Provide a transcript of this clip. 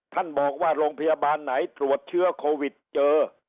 ท่านบอกว่าโรงพยาบาลไหนตรวจเชื้อโควิดเจอ